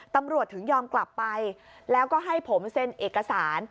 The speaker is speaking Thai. ถึงยอมกลับไปแล้วก็ให้ผมเซ็นเอกสาร